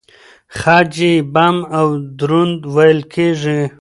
خج يې بم او دروند وېل کېږي.